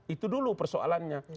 itu dulu persoalannya